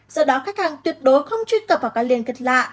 do đó khách hàng tuyệt đối không truy cập vào các liên kết lạ